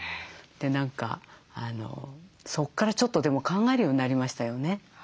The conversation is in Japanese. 何かそこからちょっとでも考えるようになりましたよね。